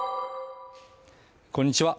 こんにちは